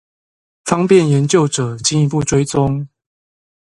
方便研究者進一步追蹤